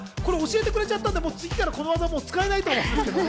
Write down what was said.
教えてくれちゃったんで、これから、この技もう使えないって。